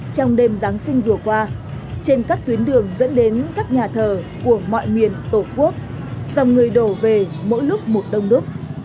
trong đêm giáng sinh vừa qua trên các tuyến đường dẫn đến các nhà thờ của mọi miền tổ quốc dòng người đổ về mỗi lúc một đông đúc